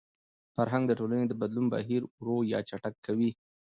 فرهنګ د ټولني د بدلون بهیر ورو يا چټک کوي.